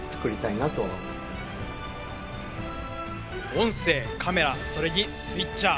音声、カメラそれにスイッチャー。